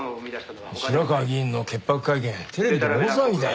白河議員の潔白会見テレビでも大騒ぎだよ。